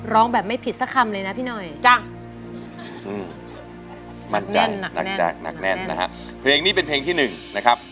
ร้องแบบไม่ผิดสักคำเลยนะพี่หน่อยหนักแน่นนะครับเพลงนี้เป็นเพลงที่๑นะครับ